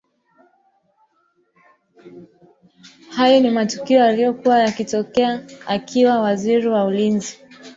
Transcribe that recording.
Hayo ni matukio yaliyotokea akiwa waziri wa ulinzi